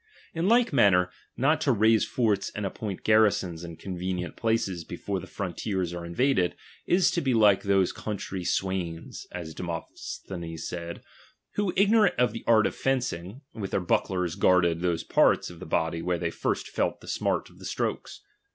In like manner, not to raise forts and appoint garrisons in convenient places before the frontiers are invaded, is to be like those country swains, (as Demosthenes said), who ignorant of the art of fencing, with their bucklers guarded those parts of the body where they first felt the smart of the strokes.